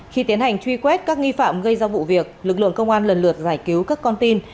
khi tiến hành truy quét các nghi phạm gây ra vụ việc lực lượng công an lần lượt giải cứu các con tin